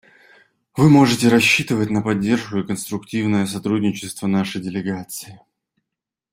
Вы можете рассчитывать на поддержку и конструктивное сотрудничество нашей делегации.